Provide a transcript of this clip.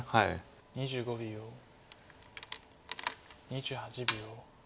２８秒。